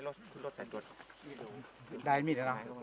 น้องมิดนี้มันอยู่ที่เกิดเหตุหรือเราพบติดตัวมา